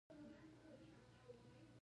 ځوانان د نوې ټکنالوژۍ د کارولو مخکښان دي.